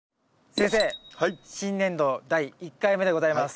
先生新年度第１回目でございます。